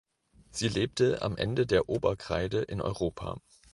Sie lebte am Ende der Oberkreide in Europa.